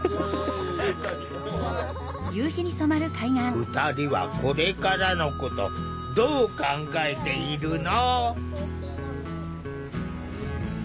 ２人はこれからのことどう考えているの？